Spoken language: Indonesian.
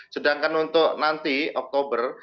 sedangkan untuk nanti oktober